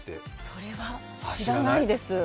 それは知らないです。